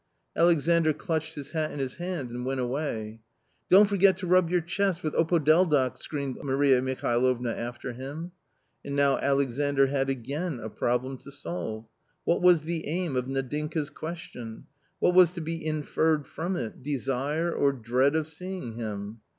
Alexandr clutched his hat in his hand and went away. "Don't forget to rub your chest with opodeldoc!" screamed Maria Mihalovna after him. And now Alexandr had again a problem to solve — what was the aim of Nadinka's question ? what was to be inferred from it — desire or dread of seeing him